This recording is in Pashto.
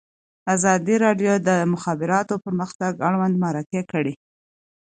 ازادي راډیو د د مخابراتو پرمختګ اړوند مرکې کړي.